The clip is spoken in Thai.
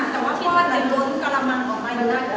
แต่ว่าหมอเขาไม่ได้ช่าง